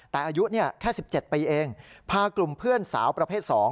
แต่อายุแค่๑๗ปีเองพากลุ่มเพื่อนสาวประเภท๒